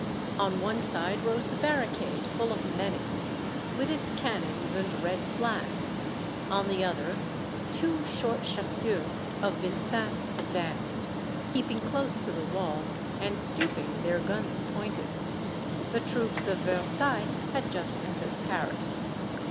On one side rose the barricade, full of menace, with its cannons and red flag, on the other two short chasseurs of Vincennes advanced, keeping close to the wall, and stooping, their guns pointed. The troops of Versailles had just entered Paris.